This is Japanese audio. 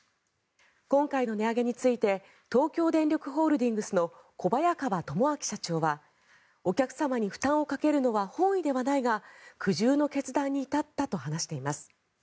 今回の値上げについて東京電力ホールディングスの小早川智明社長はお客様に負担をかけるのは本意ではないが苦渋の決断に至ったと話しています。